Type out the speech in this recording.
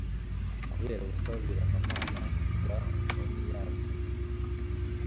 kubera ubusabaniramana bwa oniyasi